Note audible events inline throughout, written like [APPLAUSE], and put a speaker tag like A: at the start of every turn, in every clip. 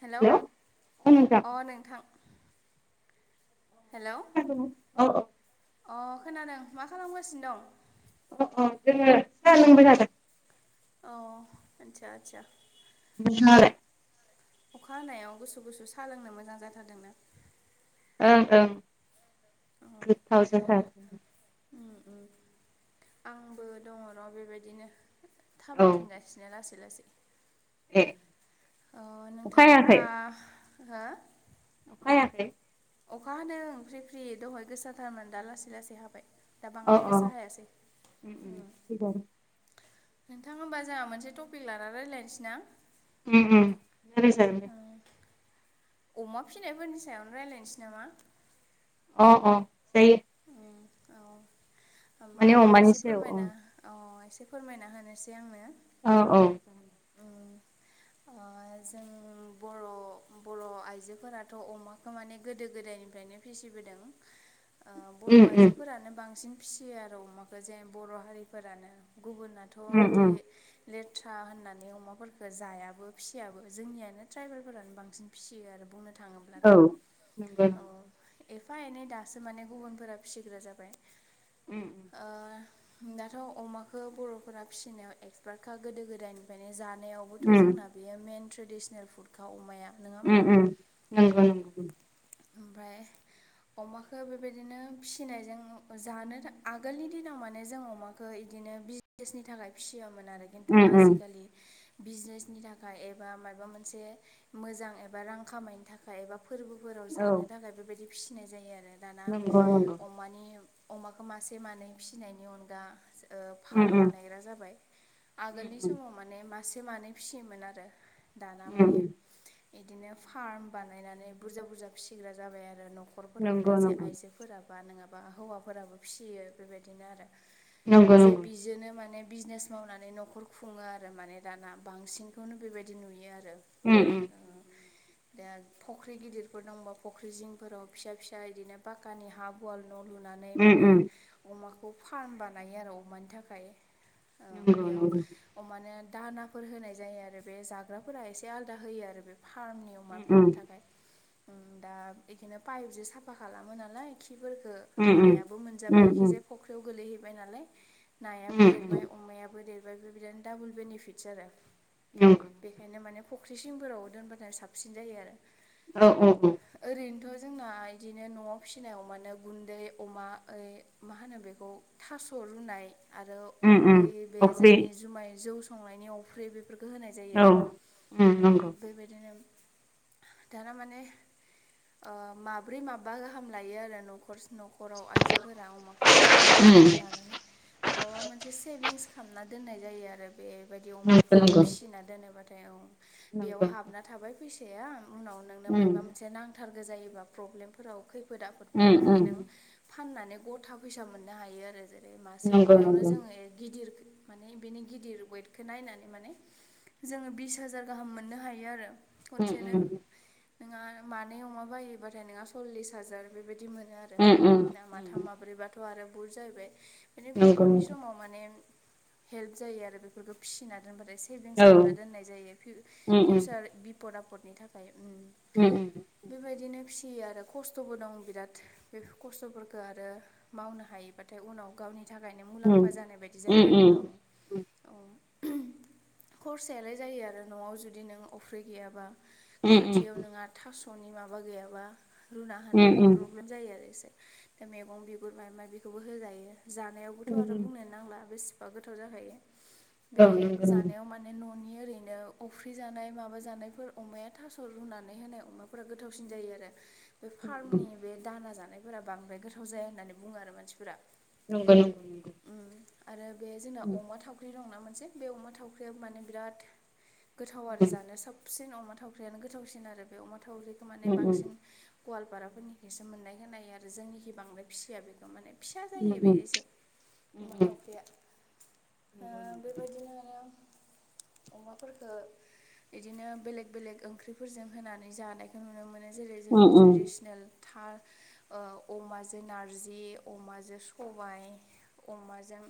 A: Hello
B: औ नोंथां
A: अ नोंथां। हेलौ
B: औ औ
A: अ खोनादों मा खालामगासिनो दं?
B: अ अ जोङो साह लोंबाय थादों।
A: अ आदसा आदसा।
B: [UNINTELLIGIBLE]
A: अखा हायाव गुसु गुसु साह लोंनो मोजां जाथारदोंना
B: ओं ओं गोथाव जाथार
A: ओ ओ आंबो दङ र' बेबायदिनो थाबायथिंगासिनो लासै लासै।
B: दे
A: अ नोंथां होनबा हो
B: नायाखै
A: अखा हादों फ्रि फ्रि दहाय गोसाथारमोन दा लासै लासै हाबाय। दा
B: अ
A: बांद्राय गोसा हायासै।
B: उम [UNINTELLIGIBLE]
A: नोंथां होमबा जोंहा मोनसे टपिक लाना रायज्लायनोसै ना।
B: उ उ रायज्लाय जागोन दे।
A: अमा फिसिनायफोरनि सायावनो रायलायनोसै नामा।
B: अ अ जायो।
A: औ अ होनबा
B: माने अमानि
A: एसे
B: सायाव औ
A: फोरमायना अ एसे फोरमायना होनोसै आंनो।
B: औ औ
A: ओ ओ जों बर' बर' आइजोफोराथ' अमा खौ माने गोदो गोदायनिफ्रायनो फिसिबोदों। ओ बर'
B: उम उम
A: आइजोफोरानो बांसिन फिसियो आरो अमाखौ जे बर' हारिफोरानो गुबुनाथ' थ'
B: उम
A: इदि
B: उम
A: लेथ्रा होननानै अमाफोरखो जायाबो फिसियाबो जोंनियानो ट्राइबेलफोरानो बांसिन फिसियो आरो बुंनो
B: औ
A: थाङोब्लाथ'।
B: नंगौ
A: औ। एफा एनै दास माने गुबुनफोरा फिसिग्रा जाबाय।
B: उम
A: ओ दाथ' अमाखौ बर'फोरा फिसिनायाव एक्सपार्टखा गोदो गोदायनिफ्रायनो जानायाव आबोथ'
B: उम
A: जोंना बेयो मेन ट्रेडिसनेल फुडखा अमाया नङा होमबा
B: उम उम
A: औ
B: नंगौ नंगौ
A: ओमफ्राय अमा बेबायदिनो फिसिनायजों जानो आगोलनि दिनाव माने जों अमाखौ इदिनो [UNINTELLIGIBLE] [UNINTELLIGIBLE] थाखाय फिसियामोन आरो खिन्थु
B: उम उम
A: आजिखालि बिजनेसनि थाखाय एबा मायबा मोनसे मोजां एबा रां खामायनो थाखाय एबा फोरबो फोराव
B: औ
A: जानो थाखाय बेबायदि फिसिनाय जायो आरो दाना
B: नंगौ नंगौ
A: अमानि अमाखौ मासे मानै फिसिनायनि अनगा
B: उम
A: फार्म
B: उम
A: बानायग्रा जाबाय
B: उम
A: आगोलनि समाव माने मासे मानै फिसियोमोन आरो दाना
B: उम उम
A: माने बिदिनो फार्म बानायनानै बुरजा बुरजा फिसिग्रा जाबाय आरो
B: नंगौ
A: न'खरफोरावनो जे
B: नंगौ
A: फोरा बा नोङा बा हौवाफोराबो फिसियो बेबादिनो आरो
B: नंगौ
A: जे
B: नंगौ
A: बिजोंनो माने बिजनेस मावनानै न'खर खुङो आरो माने दाना बांसिनखौनो बेबायदि नुयो आरो
B: उम उम
A: [UNINTELLIGIBLE] दा फख्रि गिदिरफोर दंबा फुख्रि जिंफोराव फिसा फिसा इदिनो पाकानि हाब वाल न' लुनानै
B: उम
A: माने
B: उम
A: अमाखौ फार्म बानायो आरो अमानि थाखाय ओं
B: नंगौ
A: बेयाव
B: नंगौ
A: अमानो दानाफोर होनाय जायो आरो बे जाग्राफोरा एसे आलादा होयो आरो बे फार्मनि
B: उम
A: अमाफोरनो
B: उम
A: थाखाय उम दा बेदिनो पाइपजों साफा खालामो नालाय खिफोरखौ
B: उम
A: नायाबो
B: उम
A: मोनजाबाय एखि जाया फख्रियाव गोलैहैबाय नालाय नायाबो
B: उम उम उम
A: देरबाय अमायाबो देरबाय ओमफ्राय बे बादिनो डाबल बेनिफिटस आरो
B: [UNINTELLIGIBLE]
A: बेखायनो माने फुख्रि सिंफोराव दोनबथाय साबसिन जायो आरो
B: औ औ औ।
A: ओरैनोथ' जोंना बिदिनो न'आव फिसिनायाव मानो गुन्दै अमाओ मा होनो बेखौ थास' रुनाय। आरो
B: उम उम
A: ओइ बे
B: औ
A: जोंनि जुमाय जौ संनायनि अफ्रि बे बेफोरखौ होनाय जायो
B: औ
A: आरो
B: उम
A: ओ
B: नंगौ
A: बेबायदिनो दाना माने ओ माब्रै माबा गाहाम लायो आरो न'खर न'खर खराव आइजोफोरा अमाखौ मायदि
B: उम
A: लानानै माबा मोनसे सेभिंस खामना दोननाय जायो आरो। बेबायदि अमाफोरखौ
B: नंगौ नंगौ
A: फिसिना दोनोबाथाय आ बेयाव
B: नंगौ
A: हाबना थाबाय फैसाया उनाव नोंनो
B: उम
A: मायाब‌ मोनसे नांथारगो जायोबा प्रब्लेमफोराव खै फोद
B: उम
A: आफोदफोराव माने
B: उम
A: नों फाननानै गथा फैसा मोननो हायो आरो [UNINTELLIGIBLE] बे मासे
B: नंगौ
A: अमायावनो
B: नंगौ
A: जोङो गिदिर माने बेनि गिदिर वेटखौ नायनानै माने जोङो बिस हाजार गाहाम मोननो हायो आरो।
B: उम
A: खनसेनो नोंहा मानै अमा बायोबाथाय नोंहा सल्लिस हाजार बेबायदि मोनो आ आरो
B: उम
A: दा
B: उम
A: माथाम माब्रैबाथ' आरो बुर जाहैबाय बिनो
B: नंगौ
A: बिफदनि
B: नंगौ
A: समाव माने हेल्प जायो आरो बेफोरखौ फिसिना दोनबाथाय [UNINTELLIGIBLE] सेभिंस
B: औ
A: खामना दोननाय जायो
B: उम उम
A: फिउ-फिउचार बिपद आफदनि थाखाय उम
B: उम उम
A: बेबायदिनो फिसियो आरो खस्थ'बो दं बिराद बे खस्थ'फोरखो आरो मावनो हायोबाथाय उनाव गावनि थाखायनो
B: उम
A: मुलाम्फा जानाय बायदि
B: उम
A: जायो
B: उम
A: आरो आं‌ औ [UNINTELLIGIBLE] खरसायालाय जायो आरो न'आव जुदि नों अफ्रि गैयाबा खाथियाव
B: उम
A: नोंहा थास'नि माबा गैयाबा रुना होनो
B: उम औ
A: प्र जायो आरो इसे दा मैगं बिगुर माइबा मायबि बेखौबो होजायो जानायावबोथ' आरो बुं [UNINTELLIGIBLE] गोथाव जाखायो बे
B: नंगौ नंगौ
A: जानायाव माने मान न'नि ओरैनो अफ्रि जानाय माबा जानायफोर अमाया थास' रुनानै होनाय अमा फ्रा गोथावसिन जायो आरो बे
B: नंगौ
A: फार्मनि बे दाना जानायफोरा बांद्राय गोथाव जाया होननानै बुङो आरो मानसिफोरा।
B: नंगौ [UNINTELLIGIBLE]
A: ओम आरो बे जोंना
B: उम
A: अमा थावख्रि दं ना मोनसे बे अमा थावख्रिया माने बिराद गोथाव आरो जानो साब सिन अमा थावख्रियानो गोथावसिन आरो बे अमा थावख्रिखौ माने बांसिन गवालपाराफोरनिफ्रायसो मोननाय होनाय आरो जोंनिखि बांद्राय फिसिया बेखौ माने फिसा जायो बेनो एसे अमा थावख्रिया ओ
B: नंगौ।
A: बेबायदिनो अमाफोरखो बिदिनो बेलेग बेलेग ओंख्रिफोरजों होनानै जानायखौ नुनो मोनो जेरै
B: उम
A: जोंनि
B: उम
A: ट्रेडिसनेल थार ओ अमाजों नारजि अमाजों सबाय अमाजों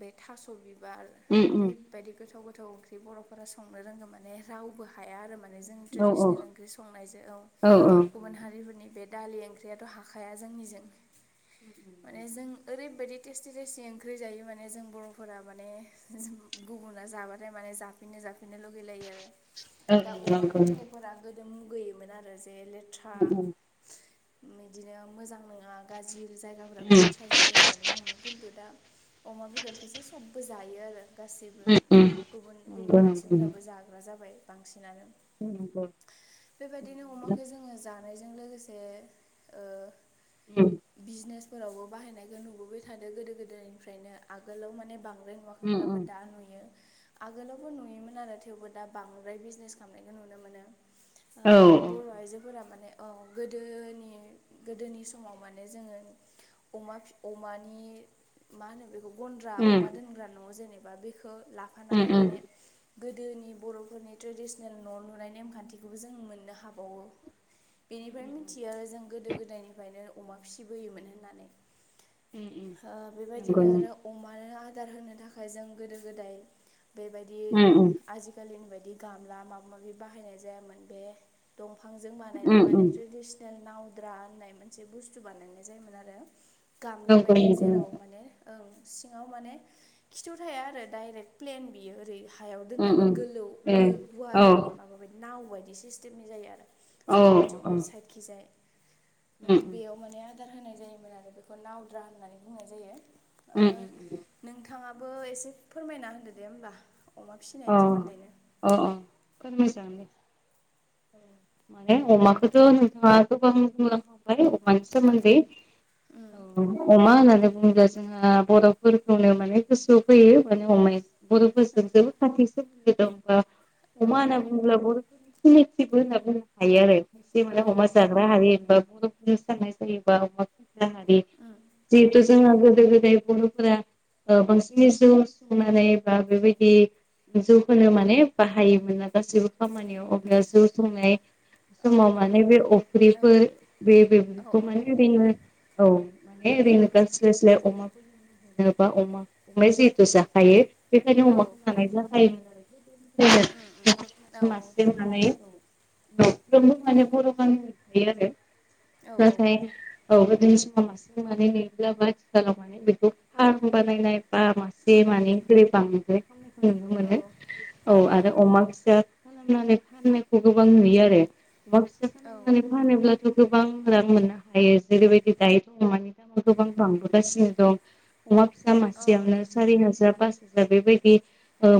A: बे थास' बि बार
B: उम
A: ओरैबायदि गोथाव गोथाव ओंख्रि बर'फोरा संनो रोंङौ माने रावबो हाया आरो माने जों
B: उम औ
A: ट्रेडिसनेल ओंख्रि संनायजों औ गुबुन हारिफोरनि बे दालि ओंख्रियाथ' हाखाया जोंनिजों माने जों ओरैबायदि टेस्टि टेस्टि ओंख्रि जायो माने जों बर'फोरा माने गुबुना जाबाथाय माने जा बिदिनो जाफिनो लुगैलायो आरो
B: औ
A: दा
B: नंगौ
A: अमाखौ
B: उम
A: बेलेगफोरा गोदो मुगैयोमोन आरो जे लेथ्रा
B: उम उम
A: बिदिनो मोजां नङा गाज्रि जायगाफ्राबो लेथ जायो होननानै बुङोमोन खिन्थु दा अमा बेदरखौसो सबबो जायो आरो गासैबो
B: उम
A: गुबुन गुबुन
B: नंगौ नंगौ
A: मानसिफोराबो जाग्रा जाबाय बांसिनानो
B: औ नंगौ
A: बेबायदिनो अमाखौ जोङो जानायजों लोगोसे ओ
B: उम
A: बिजनेसफोरावबो बाहायनायखौ नुबोबाय थादों गोदो गोदायनिफ्रायनो आगोलाव माने बांद्राय
B: उम उम
A: नुआखैमोनबाबो
B: उम
A: दा नुयो आगोलावबो नुयोमोन आरो थेवबो दा बांद्राय बिजनेस खालामनायखौ नुनो मोनो
B: औ औ
A: ओ बर' आइजोफोरा माने औ गोदोनि गोदोनि समाव माने जोङो अमा फि अमानि मा होनो बेखौ गन्द्रा
B: उम
A: अमा दोनग्रा न' जेनेबा बेखौ
B: उम उम
A: लाफानानै माने गोदोनि बर'फोरनि ट्रेडिसनेल न' लुनाय नेम खान्थिखौबो जों मोननो हाबावो बेनिफ्राय मिथियो आरो जों गोदो गोदायनिफ्रायनो अमा फिसिबोयोमोन होननानै हो
B: नंगौ
A: बेबायदिनो
B: उम
A: आरो अमानो आदार होनो थाखाय जों गोदो गोदाय बेबायदि
B: उम उम
A: आजि खालिनि बायदि गामला माबा माबि बाहायनाय जायामोन बे दंफां जों बानायनाय माने
B: नंगौ
A: ट्रेडसिनेल नावद्रा होननाय मोनसे बुस्थु बानायनाय जायोमोन आरो गामला बायदि
B: नंगौ
A: जेराव माने औ सिङाव माने खिथौ थाया आरो डाइरेक्ट प्लेन बियो ओरै हायाव
B: उम
A: दोननानै
B: उम
A: गोलौ
B: ए
A: गुवार
B: औ
A: माने माबा बायदि नाव बायदि सिस्टेमनि जायो आरो
B: औ
A: जंब्लेट जंब्लेट
B: उम
A: साइटखिजाय उम बेयाव माने आदार होनाय जायोमोन आरो बेखौ नावद्रा होननानै बुंनाय जायो
B: उम उम
A: ओ नोंथाङाबो एसे फोरमायना होनदो दे होमबा अमा
B: अ
A: फिनायनि सोमोन्दैनो
B: अ अ फोरमाय जागोन दे माने अमाखौथ' नोंथाङा गोबां बुंलांखांबाय अमानि सोमोन्दै औ अमा होननानै बुङोब्ला जोंहा बर'फोरखौनो माने गोसोआव फैयो माने अमाया बर'फोरजों जोबोद खाथि सोमोन्दो दं
A: औ
B: अमा होनना बुङोब्ला बर'फोरनि सिनायथिबो होनना बुंनो हायो आरो खसे माने
A: औ
B: अमा जाग्रा हारिबा बर'फोर साननाय जायोबा अमा फि हारि
A: औ
B: जिहेथु जोंहा गोदो गोदाय बर'फोरा ओ बांसिनै जौ संनानै बा बेबायदि जौ होनो माने बाहायोमोन ना गासैबो खामानियाव अब्ला जौ संनाय
A: औ
B: समाव माने बे अफ्रिफोर बे
A: औ
B: बेफोरखौ माने औ माने ओरैनो गास्लाय स्लाय अमाफोर जेनबा अमा अमाया जिहेतु जाखायो बेखायनो अमा लानाय जाखायोमोन आरो। मासेजों औ नफ्रोमबो माने बर' गान थायो आरो। नाथाय औ गोदोनि समाव मासे मानै नेयोब्ला आथिखालाव बेखौ फार्म बानायनाय बा मासे मानै गोबां मोनो। औ आरो अमा फिसा खालामनानै फाननायखौ गोबां नुयो आरो। अमा फिसा फिसिनानै फानोब्लाथ' गोबां रां मोननो हायो। जेरैबायदि दायोथ' माने गोबां बांबोगासिनो दं। अमा फिसा मासेयावनो सारि हाजार, पास हाजार बे बायदि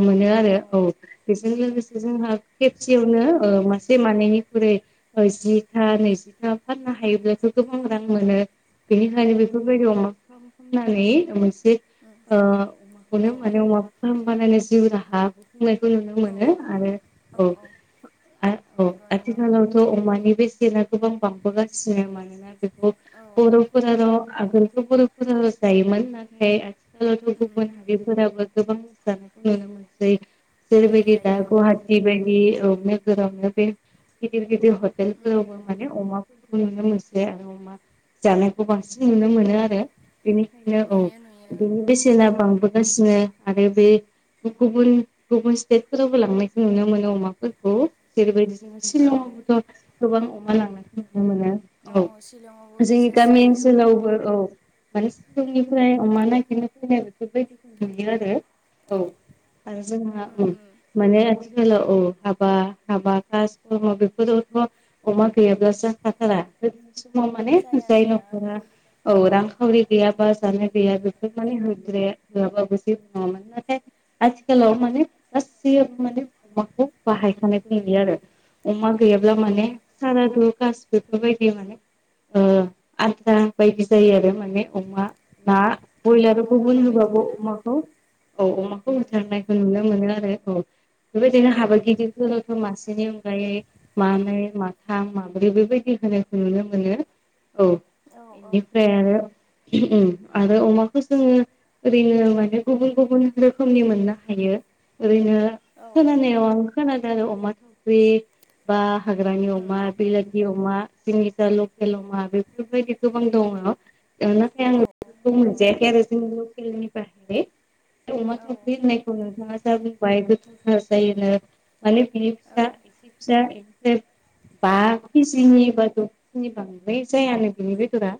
B: मोनो आरो औ। बेजों लोगोसे जोंहा खेबसेयावनो मासे मानैनिख्रुइ जिथा नैजिथा फाननो हायोब्लाथ' गोबां रां मोनो। बेनिखायनो बेफोरबायदि अमा खालामनानै मोनसे अमाखौनो
A: औ
B: माने अमा फार्म बानाय जिउ राहा खुंनायखौ नुनो मोनो आरो औ। औ
A: नंगौ नंगौ
B: आथिखालावथ' अमानि बेसेना गोबां बांबोगासिनो। मानोना बेखौ
A: औ
B: बर'फोर' आगोलथ' बर'फोरा जायोमोन। नाथाय गुबुन हारिफोराबो गोबां जानायखौ नुनो मोनसै।
A: जायो
B: जेरैबायदि दा
A: जायो औ
B: गुवाहाटि बिदि बायदि नोगोरावनो बे गिदिर गिदिर हटेलफोरावबो माने अमा नुनो मोनसै आरो अमा जानायखौ बांसिन नुनो मोनो आरो। बेनिखायनो
A: नुयो
B: औ
A: नुयो
B: बेनि बेसेना बांबोगासिनो आरो बे गुबुन गुबुन स्टेटफोरावबो लांनायखौ नुनो मोनो अमाफोरखौ। जेरैबायदि
A: औ
B: शिलंआवबोथ' गोबां अमा लांनायखौ नुनो मोनो।
A: औ शिलंआवबो
B: उम जोंनि
A: बिजनेस
B: गामि
A: खायो
B: ओनसोलावबो औ माने सिलंनिफ्राय अमा नागिरनो फैनाय बेफोरबायदिखौ नुयो आरो औ। आरो जोंहा
A: औ
B: माने आथिखालाव औ हाबा हाबा कास बेफोरावथ' अमा गैयाब्ला जाखाथारा। गोदोनि समाव माने
A: जाया
B: जाय
A: जाया
B: न'खरा
A: ओहो
B: औ रांखावरि गैयाबा जानाय गैया बेफोर मान होद्राया होआबाबो जेबो नङामोन। नाथाय आथिखालाव माने गासैयाबो माने अमाखौ बाहायखानायबो नुयो आरो। अमा गैयाब्ला
A: औ
B: माने सारादु कास बेफोरबायदियाव माने ओ आद्रा बायदि जायो आरो माने। अमा
A: उम
B: ना ब्रयलार
A: हाबाखौ हाबा
B: गुबुन
A: बायदि
B: होबाबो
A: मोना
B: अमाखौ औ अमाखौ होथारनायखौ नुनो मोनो आरो औ। बे बायदिनो हाबा गिदिरफोरावथ' मासेनि अनगायै मानै माथाम माब्रै बे बायदि होनायखौ नुनो मोनो औ।
A: औ उम
B: बेनिफ्राय आरो आरो अमाखौ जोङो ओरैनो माने गुबुन गुबुन रोखो खोमनि मोननो हायो। ओरैनो खोनानायाव आं खोनादों आरो अमा थावख्रि बा हाग्रानि अमा,
A: उम
B: बेलाति अमा, जोंनि लकेल अमा। बे बेफोरबायदि गोबां दङ। नाथाय आं
A: औ
B: बेखौ
A: दङ
B: मोनजायाखै आरो जोंनि लकेलनि बाहेरै। अमा
A: औ
B: थावख्रि होननायखौ नोंथाङा जा बुंबाय गोथावथार जायोनो माने बिनि
A: औ
B: फिसा [UNINTELLIGIBLE] बा केजिनि बा द केजिनि बांद्राय जायानो बिनि बेदरा।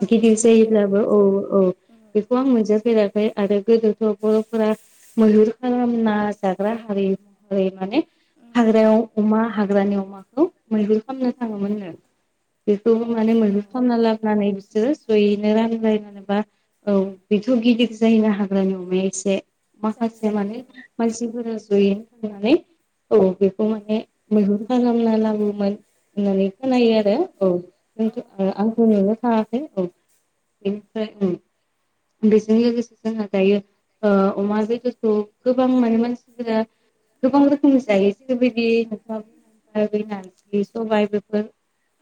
A: औ
B: गिदिर
A: फिसा जायो
B: जायोब्लाबो औ औ
A: उम
B: बेखौ आं मोनजाफेराखै आरो गोदो बर'फोरा मैहुर खालामना जाग्रा हारि महरै माने
A: उम
B: हाग्रायाव अमा हाग्रानि अमाखौ मैहुर खालामनो थाङोमोन।
A: औ
B: बेखौबो माने
A: थाङो
B: मैहुर
A: थाङो
B: खामना
A: ओं
B: ला नानै बिसोरो जयैनो रानलाय नोबा औ बेथ' गिदिर जायोना हाग्रानि अमा बेयो एसे
A: जायो
B: माखासे
A: जायो
B: माने मानसिफोरा जयै जानानै औ बेखौ माने मैहुर खामना लाबोमोन। होननानै खोनायो आरो औ
A: औ खालामो
B: आंथ' नुनो थाङाखै औ। बेनिफ्राय उम बेजों लोगोसे जोंहा दायो ओ अमा बेदरखौ गोबां माने मानसिफोरा गोबां रोखोमनि जायो जिरयबायदि बे नारजि सबाय बेफोर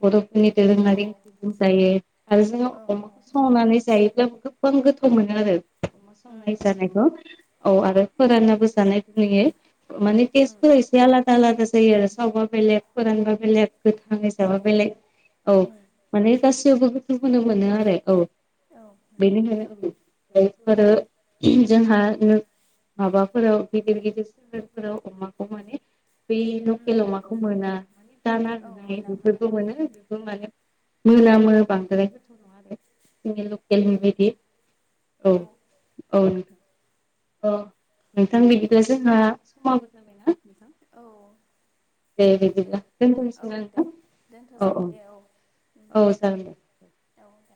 B: बर'फोरनि
A: औ
B: दोरोङारि जायो आरो जोङो
A: औ औ
B: अमाखौ संनानै जायोब्ला गोबां गोथाव मोनो आरो। अमा
A: उम
B: संनाय
A: उम
B: जानायखौ औ आरो फोराननाबो जानाय खौ नुयो। माने
A: उम
B: टेस्टफोरा एसे आलादा आलादा जायो आरो सावबा बेलेग फोरानबा बेलेग गोथाङै
A: औ
B: जाबा बेलेग औ
A: उम
B: माने गासैयावबो गोथाव खोनो मोनो आरो औ।
A: औ नंगौ
B: बेनिखायनो बैफोरो जोंहा नों माबाफोराव गिदिर गिदिर सहरफोराव अमाखौ माने बै
A: उम
B: लकेल
A: उम
B: अमाखौ मोना दाना
A: औ
B: होनाय
A: मोना मोना
B: बेफोरखौ मोनो बेबो माने मोनामो बांद्राय गोथाव नङा आरो जोंनि लकेलनि बादि औ औ औ नोंथां बिदिब्ला जोंहा समाबो जाबायना नोंथां
A: औ
B: दे बिदिब्ला
A: औ
B: दोनथ'नोसै ना
A: दे
B: नोंथां
A: दोनथ'
B: औ
A: जायो दे उम
B: औ औ जागोन दे।
A: औ दे